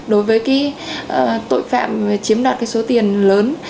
đối với cái tội phạm chiếm đoạt cái số tiền lớn